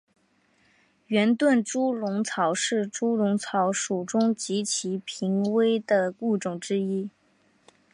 圆盾猪笼草是猪笼草属中极其濒危的物种之一。